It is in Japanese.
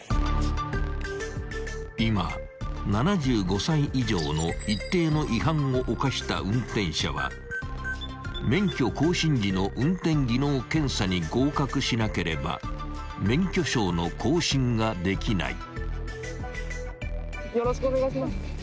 ［今７５歳以上の一定の違反を犯した運転者は免許更新時の運転技能検査に合格しなければ免許証の更新ができない］